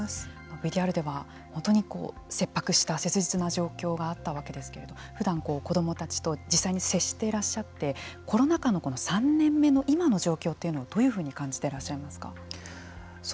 ＶＴＲでは本当に切迫した切実な状況があったわけですけれどふだん、子どもたちと実際に接していらっしゃってコロナ禍の３年目の今の状況というのをどういうふうに感じていらっしゃいますか。